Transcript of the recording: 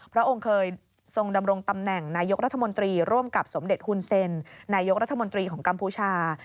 พระองค์เคยทรงดำรงตำแหน่งนายกรัฐมนตรีร่วมกับสมเด็จฮุนเซ็นนายกรัฐมนตรีของกัมพูชา